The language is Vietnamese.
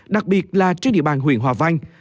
đặc biệt là trên địa bàn huyền hòa văn